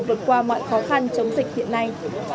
vượt qua mọi khó khăn chống dịch hiện nay